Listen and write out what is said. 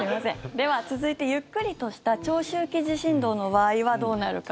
では続いて、ゆっくりとした長周期地震動の場合はどうなるか。